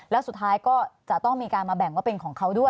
แล้วสุดท้ายก็จะต้องมีการมาแบ่งว่าเป็นของเขาด้วย